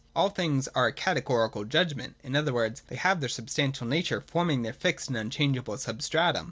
All things are a Categorical judg ment. In other words, they have their substantial nature, forming their fixed and unchangeable substratum.